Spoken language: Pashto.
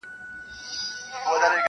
o د الماسو یې جوړ کړی دی اصلي دی,